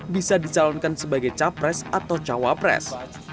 bisa dicalonkan sebagai capres atau cawapres